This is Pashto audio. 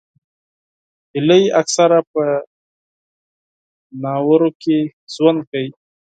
هیلۍ اکثره په جهیلونو کې ژوند کوي